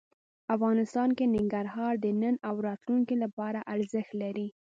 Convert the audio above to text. افغانستان کې ننګرهار د نن او راتلونکي لپاره ارزښت لري.